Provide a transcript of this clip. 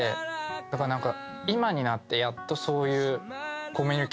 だから何か。